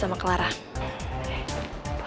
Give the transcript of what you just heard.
kamu kalau itu kelabah